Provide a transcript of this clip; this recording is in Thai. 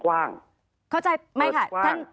เข้าใจไหมคะท่านทราบ